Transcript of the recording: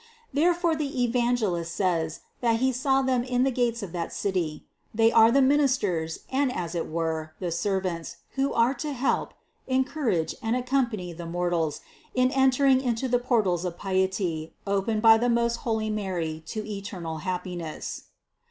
Therefore the Evangelist says that he saw them in the gates of that City; they are the ministers and as it were, the servants, who are to help, encourage and accompany the mortals in entering into the portals of piety, opened by the most holy Mary to eternal happiness.